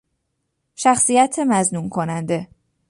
شخصیت مظنون کننده